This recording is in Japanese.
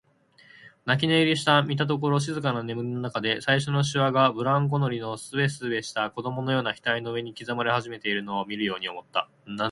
泣き寝入りした、見たところ静かな眠りのなかで、最初のしわがブランコ乗りのすべすべした子供のような額の上に刻まれ始めているのを見るように思った。